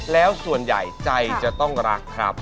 แล้วส่วนใหญ่ใจจะต้องรักครับ